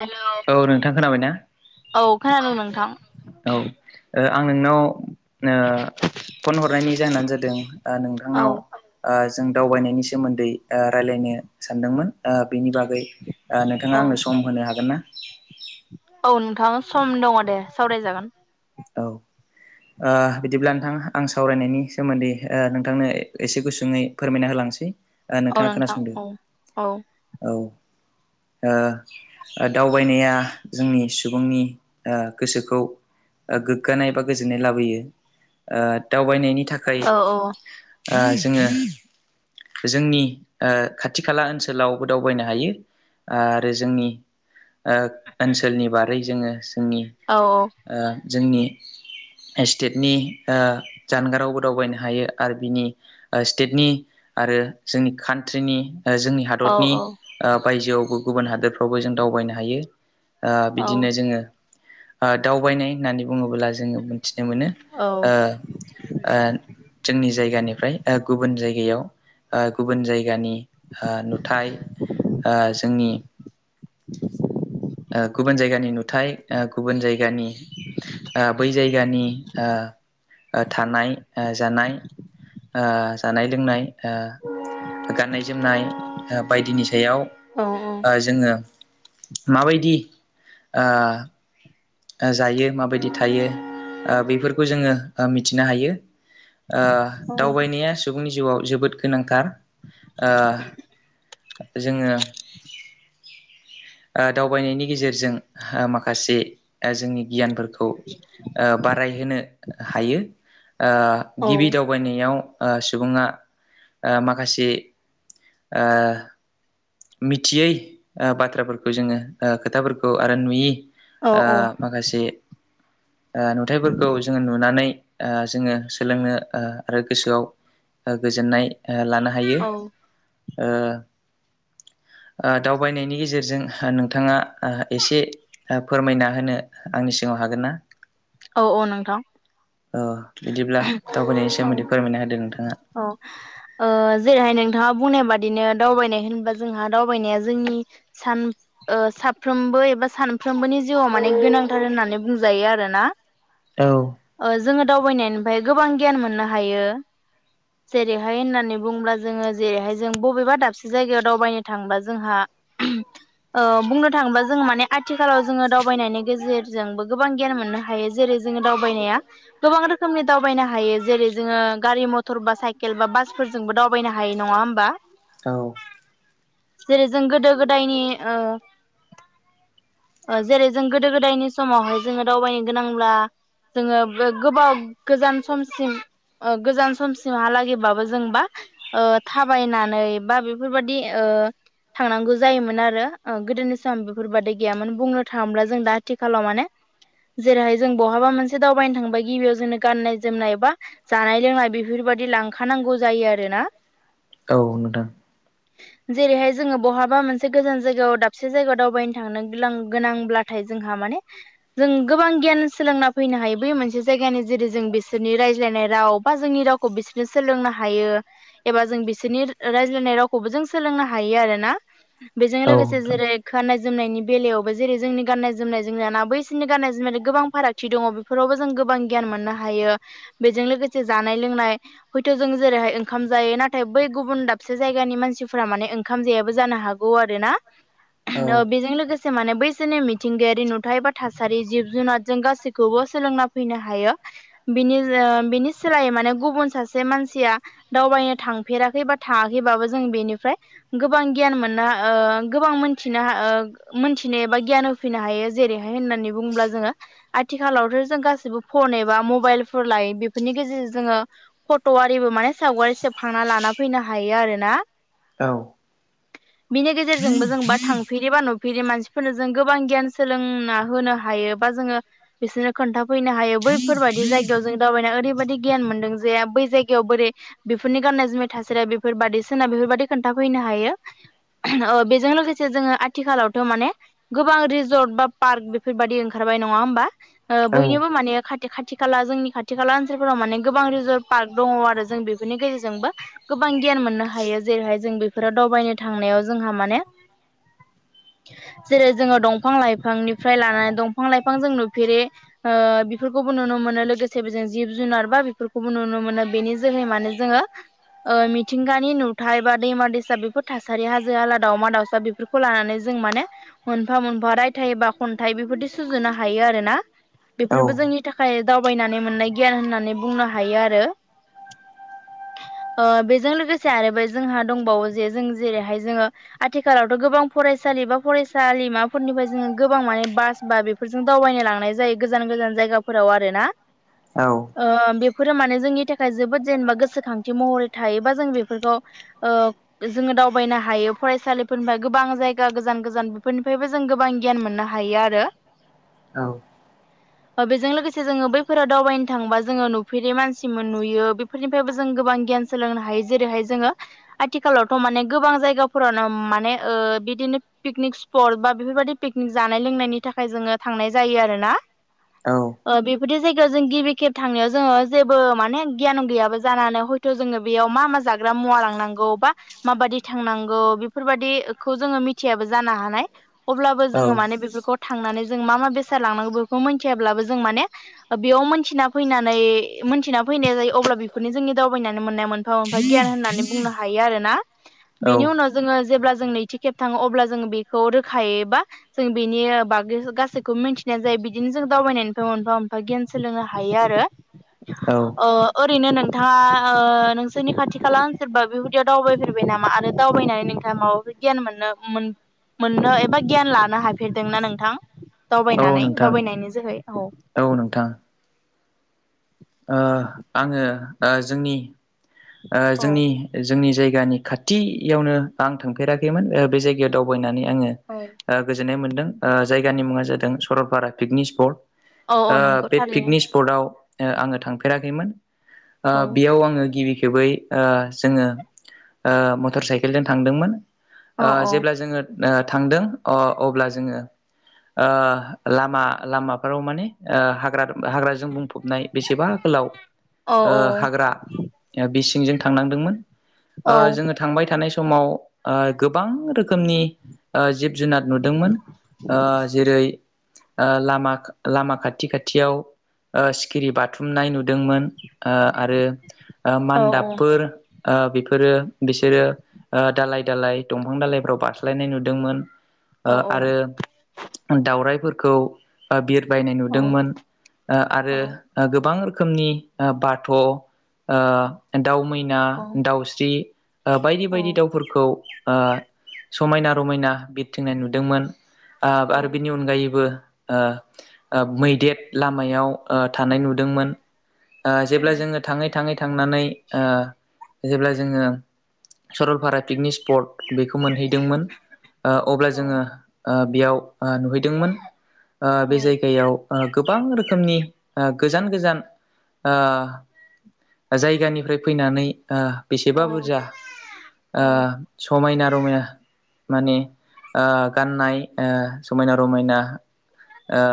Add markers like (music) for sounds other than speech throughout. Hello, औ नोंथां खोनाबायना? औ औ खोनादों नोंथां नोंथां। औ, ओम आं नोंनाव ओ, फन हर नायनि जाहोनानो जादों औ नोंथांनाव आ, जों दावबायनायनि सोमोन्दै ओ, रायज्लायनो सानदोंमोन ओ, बेनि बागै नोंथाङा औ आंनो सम होनो हागोन ना? औ नोंथां, सम दङ दे सावरायजागोन औ आ, बिदिब्ला नोंथां आं सावरायनायनि सोमोन्दै नोंथांनो एसे गुसुङै फोरमायना होलां लांसै, औ नोंथाङा नोंथां खोनासंदो। औ औ औ आ, दावबायनाया जोंनि सुबुंनि गोसोखौ गोग्गानाय बा गोजोननाय लाबोयो ओ, दावबायनायनि थाखाय औ आ, जोङो जोंनि आ, खाथि खाला ओनसोलावबो दावबायनो हायो आरो जोंनि आ, ओनसोलनि बारै जोङो जोंनि औ-औ ओ जोंनि स्टेटनि आ, जानगारावबो दावबायनो हायो आरो बिनि स्टेटनि आरो जोंनि कान्ट्रिनि जोंनि औ हादरनि बायजोआवबो गुबुन हादोरफ्रावबो जों दावबायनो हायो ओ औ बिदिनो जोङो दावबायनाय होननानै बुङोब्ला जोङो मिथिनो मोनो औ ओ ओ जोंनि जायगानिफ्राय गुबुन जायगायाव गुबुन जायगानि नुथाय ओ जोंनि ओ गुबुन जायगानि नुथाय ओ गुबुन जायगा जागानि ओ बै जायगानि ओ थानाय जानाय ओ जानाय लोंनाय ओ गाननाय जोमनाय बायदिनि सायाव औ सायाव जोङो माबायदि ओ जायो माबायदि थायो बेफोरखौ जोङो मिथिनो हायो ओ दावबायनाया सुबुंनि जिउआव जोबोद गोनांथार जोङो दावबायनायनि गेजेरजों माखासे जोंनि गियानफोरखौ बारायहोनो हायो गिबि दावबायनायाव सुबुङा माखासे मिथियै बाथ्राफोरखौ जोङो खोथाफोरखौ आरो नुयि औ ओ माखासे ओ नुथायफोरखौ जोङो नुनानै जोङो सोलोंनो आरो गोसोआव गोजोननाय लानो हायो दावबायनायनि गेजेरजों नोंथाङा एसे फोरमायना होनो आंनि स बुंनो हागोन ना औ औ नोंथां ओ बिदिब्ला दावबायनायनि सोमोन्दै फोरमायना होदो नोंथाङा। औ औ जेरैहाय नोंथाङा बुंनायबा बिदिनो दावबायनाय होनबा जोंहा दावबायनाया जोंनि सान साफ्रोमबो एबा सान साफ्रोमबोनि जिउआव माने गोनांथार होननानै बुंजायो आरोना औ ओ जोङो दावबायनायनिफ्राय गोबां गियान मोननो हायो जेरैहाय होननानै बुंङोब्ला जोङो जेरैहाय जों बबेबा दाबसे जायगायाव दावबायनो थांब्ला जोंहा (inaudible) बुंनो थाङोबा जोङो माने आथिखालाव जोङो दावबायनायनि गेजेरजोंबो गोबां गियान मोननो हायो जेरै जोङो दावबायनाया गोबां रोखोमनि दावबायनो हायो जेरै जोङो गारि मटर बा साइकेल बा बासफोरजोंबो दावबायनो हाय नङा होमबा औ जेरै जों गोदो गोदायनि जेरै जों गोदो गोदायनि समावहाय जोङो दावबायनो गोनांब्ला जोङो गोबाव गोजान समसिम गोजान समसिमहालागैबाबो जोंबा थाबायनानै बा बेफोरबायदि थांनांगौ जायोमोन आरो गोदोनि सम बेफोर बादै गैयामोन बुंनो थाङोब्ला जों दा आथिखालाव माने जेरैहाय जों बहाबा मोनसे दावबायनो थांबा गिबियाव जोंनो गाननाय जोमनाय बा जानाय लोंनाय बेफोर दि लांखानांगौ जायो आरोना औ नोंथां जेरैहाय जोङो बहाबा मोनसे गोजान जायगायाव दाबसे जायगायाव दावबायनो हानो ग्लां गोनांब्लाथाय जोंहा माने जों गोबां गियान सोलोंना फैनो हायो बै मोनसे जाय- गानि जेरै जों बिसोरनि रायज्लायनाय राव बा जोंनि रावखौ बिसोरनो सोलोंनो हायो एबा जों बि- सोरनि रायज्लायनाय रावखौबो जों सोलोंनो हायो आरोना बेजों औ लोगोसे नोंथां। जेरै खोन- जोमनायनि बेलायावबो जेरै- जोंनि गाननाय जोमनाय जोमनाय ना बैसोरनि गाननाय जोमनाय गोबां फारागथि दङ बेफोरावबो जों गो- बां गियान मोननो हायो बेजों लोगोसे जानाय लोंनाय हयथ' जों जेरैहाय ओंखाम जायो नाथाय बै गुबुन दाबसे जायगानि मानसिफोरा माने ओंखाम जायाबो जानो हागौ आरो ना औ लोगोसे माने बैसोरनि मिथिंगायारि नुथाय बा थासारि जिब जुनारजों गासैखौबो सोलोंना फैनो हा- यो बिनि अ बिनि सोलायै माने गुबुन सासे मानसिया दावबायनो थांफेरा- बेबा थाङाखैबाबो जों बेनिफ्राय गोबां गियान मोननो अ गोबां मोनथिनो अ मोनथिनो एबा गियान होफैनो हायो जेरैहाय होननानै बुङोब्ला जोङो आथिखालावथ' जों गासिबो फन एबा मबाइलफोर लायो बेफोरनि गेजेरजों जोङो फट'आरिबो माने सावगारि सेबखांना लाना- फैनो हायो आरोना औ बिनि गेजेरजोंबो जों बा थांफेरिबा न- फेरि मानसिफोरनो जों गोबां गियान सोलोंना होनो हायो बा जोङो बिसोरनो खोन्थाफैनो हायो बैफोरबायदि जायगायाव जों दावबायनाय ओरैबायदि गियान मोनदों जे बै जायगायाव बोरै बेफोरनि गाननाय जोमनाय था- सारि बेफोरबादि सोरोनाब बेफोरबायदि खोन्थाफैनो हायो अ बेजों लोगोसे जोङो आथिखालाव त माने गोबां रिजर्ट बा पार्क बेफोरबायदि ओंखारबाय नङा होमबा अ बयनिबो माने खा- थि खाथि खाला जोंनि खाथि खाला ओनसोलफोराव माने गोबां रिजर्ट पार्क दङ आरो जों बेफोरनि गेजेरजोंबो गो बां गियान मोननो हायो जेरैहाय जों बेफोराव दावबायनो थांनायाव जोंहा माने (inaudible) जेरै-जोङो दंफां लाइफांनिफ्राय लानानै दंफां लाइफां जों नुफेरे अ बेफोरखौ- बो नुनो मोनो लोगोसे जों जिब जुनार बा बेफोरखौबो नुनो मोनो बेनि जोहै मानोे जोङो अ मिथिंगानि नुथाय बा दैमा दैसा बेफोर थासारि हाजो हाला दाउमा दाउसा बेफोरखौ लानानै जों माने मोनफा-मोनफा रायथाइ बा खन्थाइ बेफोरदि सुजुनो हायो आरो ना औ बेफोरबो जोंनि थाखाय दावबायनानै मोननाय गियान होननानै बुंनो हायो आरो (inaudible) अ बेजों लोगोसे आरो बे जोंहा दंबावो जे जों जेरैहाय जोङो आथिखालावथ' गोबां फराय- सालि बा फरायसालिमाफोरनिफ्राय जोङो गोबां माने बास बा बेफोरजों दावबायनो लांनाय जायो गोजान- गोजान जा- जायगाफोराव आरोना अ बे- फोर माने जोंनि थाखाय जोबोद जेनेबा गोसोखांथि महरै थायोबा जों बेफोरखौ अ जोङो दावबायनो हायो फरायसालिफोरनिफ्राय गोबां जाय- गा गोजान-गोजान बेफोरनिफ्रायबो जों गोबां गियान मोननो हायो आरो (inaudible) अ बेजों लोगोसे जोङो बैफोराव दावबायनो थाङोबा जोङो नुफेरै मानसिमोन नुयो बेफोरनिफ्रायबो जों गोबां गियान सोलोंनो हायो जेरैहाय जोङो आथिखालावथ' माने गोबां जायगाफोरावनो माने ओ बि- दिनो पिकनिक स्पट बा बेफोरबायदि पिकनिक जानाय लोंनायनि थाखाय जोङो थांनाय जायो आरोना अ बेफोरदि जाय- जों गिबि खेब थांनायाव जोङो जेबो माने गियान गैयाबो जानानै हयथ' जोङो बेयाव मा मा जाग्रा मुवा लांनांगौ बा मा बादि थांनांगौ बेफोर बादिखौ जोङो मि- थियाबो जानो हानाय अब्लाबो जोङो माने बेफोरखौ थांनानै जों मा मा बेसाद लांनांगौ बेखौ मोनथियाब्लाबो जों माने बेयाव मोनथिना फैनानै मोनथिना फैनाय जायो अब्ला बेफोरनि जोंनि दावबायनानै मोननाया मोनफा-मोनफा गियान होननानै बुंनो हायो आरोना औ बेनि उनाव जोङो जेब्ला जों नैथि खेब थाङो अब्ला जोङो बेखौ रोखायै बा जों बेनि बागै गासैखौबो मिन्थिनाय जायो बिदिनो जों दाव- बायनायनिफ्राय मोनफा-मोनफा गियान सोलोंनो हायो आरो औ अ ओरैनो नोंथाङा अ नोंसोरनि खाथि खाला सोरबा बेहुदियाव दावबायफेरबाय नामा आरो दावबायनानै नोंथाङा माबाफोर गियान मोननो मोन-मोननो एबा गियान लानो हाफेरदोंना नोंथां? औ दावबायनानै नोंथां दावबायनायनि जोहै औ ओ आङो जोंनि। ओ औ जोंनि जोंनि जाय। जायगानि खाथियावनो आं थांफेराखैमोन बे जायगायाव दावबायनानै। आङो औ ओ गोजोननाय मोनदों ओ जायगानि मुङा जादों सरलपारा पिकनिक स्पट। औ ओ नंगौ बे थारैनो पिकनिक स्पर्टआव। ओ आङो थांफेराखैमोन ओ औ बेयाव आङो गिबि। खेबै जोङो ओ मटर साइकेलजों थांदोंमोन। औ ओ जेब्ला जोङो थांदों अ अब्ला जोङो ओ लामा लामाफोराव माने ओ हाग्रा। हाग्राजों बुंफबनाय बेसेबा गोलाव औ ओ हाग्रा बिसिंजों थांनांदोंमोन औ ओ जोङो थांबाय था थानाय समाव ओ गोबां रोखनि ओ जिब जुनाद नुदोंमोन ओ जेरै ओ लामा लामा खाथि खाथियाव ओ सिखिरि बाथुमनाय नुदोंमोन ओ आरो। ओ औ मान्दाबफोर ओ बेफर फोरो बिसोरो दालाय दालाय दंफां दालायफ्राव बारस्लायनाय नुदोंमोन। ओ आरो औ दाावरायाइफोरखौ बिर बायनाय नुदोंमोन ओ आरो औ गोबां रोखोमनि ओ बाथ'। ओ दाउ मैना औ दाउस्रि बायदि औ बायदि दाउफोरखौ ओ समायना रमायना बिरथिंनाय नुदोंमोन औ आरो ओ बिनि अनगायैबो ओ ओ मैदेर लामायाव ओ थानाय नुदोंमोन। ओ जेब्ला औ जोङो थाङै थाङै थांनानै ओ जेब्ला जोङो सरलपारा पिकनिक। स्पर्ट बेखौ मोनहैदोंमोन ओ अब्ला औ जोङो ओ बेयाव। ओ नुहैदोंमोन ओ औ बे जायगायाव ओ गोबां रोखोमनि ओ। गोजान गोजान ओ जायगानिफ्राय फैनानै ओ औ बेसेबा बुरजा औ ओ समायना रमायना। माने ओ गाननाय ओ समायना रमायना ओ।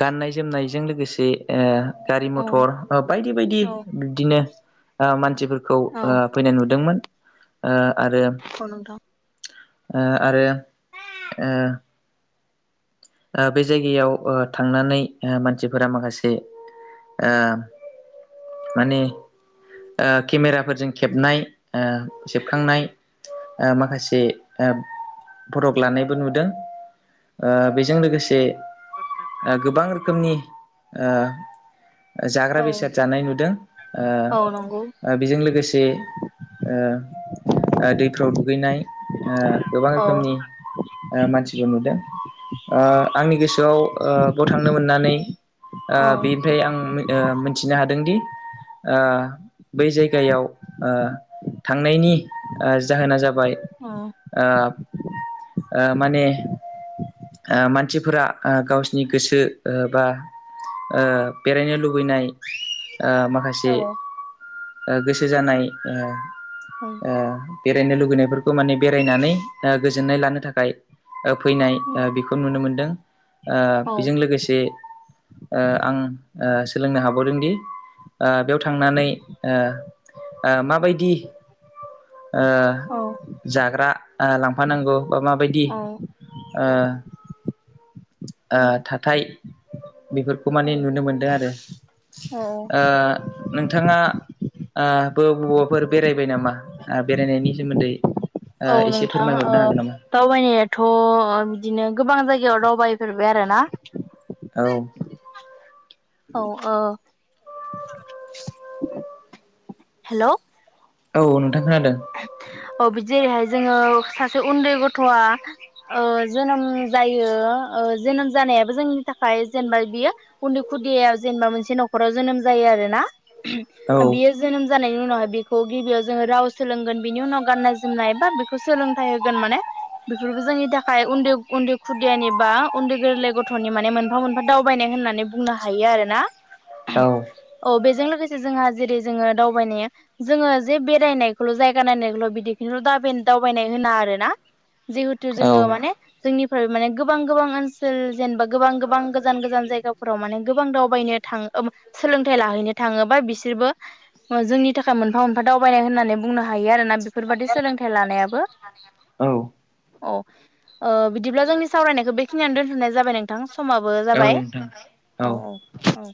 गाननाय जोमनायजों लोगोसे ओ गारि औ मथर बायदि बायदि औ बिदिनो ओ मानसिफोर खौ औ ओ फैनाय नुदोंमोन ओ। आरो औ नोंथां। ओ आरो ओ। ओ बे जायगायाव ओ थांनानै ओ मानसिफोरा माखासे ओ माने ओ केमेराफोरजों खेबनाय ओ सेबखांनाय। ओ माखासे ओ फटक लानायबो नुदों। ओ बेजों लोगोसे ओ गोबां रोखोमनि ओ जाग्रा औ बेसाद जानाय नुदों ओ औ नंगौ ओ बेजों लोगोसे ओ दैफ्राव दुगैनाय ओ गोबां औ रोखोमनि मानसिखौ नुदों। ओ आंनि गोसोआव ओ बेयाव थांनो मोननानै ओ औ बेनिफ्राय आं ओ मिथिनो हादोंदि ओ। बै जायगायाव ओ थांनायनि ओ जाहोना जा बाय औ ओ ओ माने ओ मानसिफोरा ओ गावसिनि गोसो बा ओ बेरायनो लुबैनाय ओ औ माखासे ओ गोसो जानाय ओ ओ बेरायनो लुगैनायफोरखौ माने बेरायनानै उह गोजोननाय लानो थाखाय उह फैनाय उह बेखौ नुनो मोनदों उह बेजों लोगोसे उह आं उह सोलोंनो हाबावदोंदि उह बेयाव उह उह माबायदि औ उह जाग्रा उह लांफानांगौ बा माबायदि उह उह थाथाय बेफोरखौ माने नुनो मोनदों आरो औ ओ नोंथाङा आ बबावबाफोर बेरायबाय नामा? आ (unintelligible) औ नोंथां औ फोरमायहरनो हागोन नामा? दावबायनायाथ' ओ बिदिनो गोबां जायगायाव दावबायफेरबाय आरोना औ। औ औ। (inaudible) हेल'। औ नोंथां खोनादों? औ जेरैहाय जोङो सासे उन्दै गथ'आ ओ जोनोम जायो ओ जोनोम जानायाबो जोंनि थाखाय जेनेबा बियो उन्दै खुदियाव जेनेबा मोनसे न'खराव जोनोम जायो आरोना औ (unintelligible) बियो जोनोम जानायनि उनावहाय बेखौ गिबियाव जोङो राव सोलोंगोन बिनि उनाव गाननाय जोमनाय बा बेखौ सोलोंथाइ होगोन माने बेफोरबो जोंनि थाखाय उन्दै उन्दै खुदियानि बा उन्दै गोरलै गथ'नि माने मोनफा मोनफा दावबायनाय होननानै बुंनो हायो आरोना। औ औ बेजों लोगोसे जोंहा जेरै जोङो दावबायनाया जोङो जे बेरायनाय बेखौल' जायगा नायनायखौल' बिदिखौल' दा दावबायनाय होना आरो ना जिहेथु औ जोङो माने जोंनि माने गोबां गोबां ओनसोल जेनेबा गोबां गोबां गोजान गोजान जायगाफोराव माने गोबां दावबायनो थां (unintelligible) सोलोंथाइ लाहैनो थाङोबा बिसोरबो जोंनि थाखाय मोनफा मोनफा दावबायनाय होननानै बुंनो हायो आरो ना बेफोरबादि सोलोंथाइ लानायाबो औ औ। ओ बिदिब्ला जोंनि सावरायनायखौ बेखिनियावनो दोनथ'नाय जाबाय नोंथां समाबो औ जाबाय। नोंथां औ औ